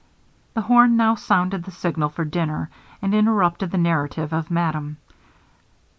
The horn now sounded the signal for dinner, and interrupted the narrative of Madame.